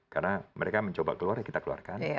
karena mereka mencoba keluar kita keluarkan